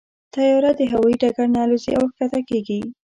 طیاره د هوايي ډګر نه الوزي او کښته کېږي.